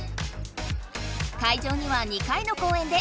会場には２回の公えんで